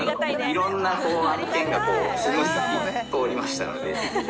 いろんな案件がスムーズに通りましたので。